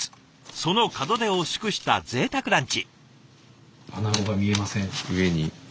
その門出を祝したぜいたくランチ。